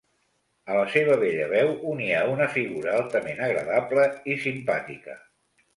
A la seva bella veu unia una figura altament agradable i simpàtica.